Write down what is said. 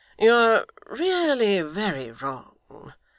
'You are really very wrong.